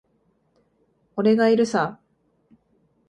俺がいるさ。